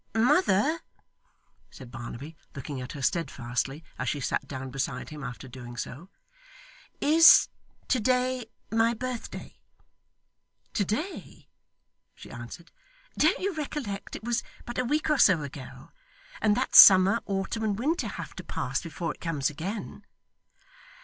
'Mother,' said Barnaby, looking at her steadfastly as she sat down beside him after doing so; 'is to day my birthday?' 'To day!' she answered. 'Don't you recollect it was but a week or so ago, and that summer, autumn, and winter have to pass before it comes again?